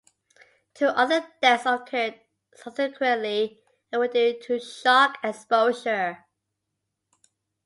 Two other deaths occurred subsequently and were due to shock and exposure.